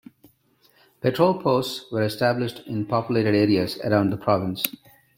Patrol posts were established in populated areas around the Province.